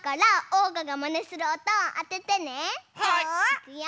いくよ。